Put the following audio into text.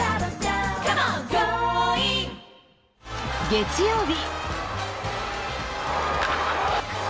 月曜日。